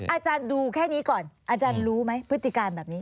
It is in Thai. อาจารย์ดูแค่นี้ก่อนอาจารย์รู้ไหมพฤติการแบบนี้